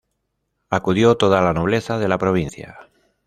Acudió toda la nobleza de la provincia.